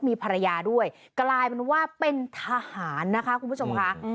มีภรรยาด้วยกลายเป็นว่าเป็นทหารนะคะคุณผู้ชมค่ะ